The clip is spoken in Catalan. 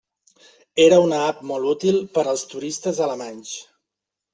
Era una app molt útil per als turistes alemanys.